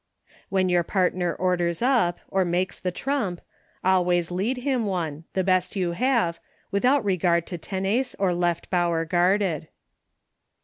When your partner orders up, or makes the trump, always lead him one — the best you have — without regard to tenace or Left Bower guarded.